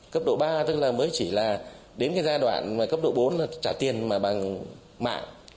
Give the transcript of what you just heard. cấp độ ba tức là mới chỉ là đến cái giai đoạn mà cấp độ bốn là trả tiền mà bằng mạng